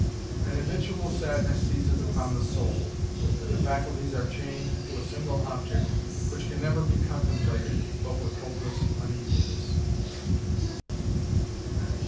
An habitual sadness seizes upon the soul, and the faculties are chained to a single object, which can never be contemplated but with hopeless uneasiness.